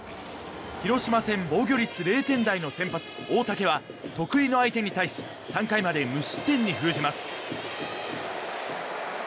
広島戦防御率０点台の先発、大竹は得意の相手に対し３回まで無失点に封じます。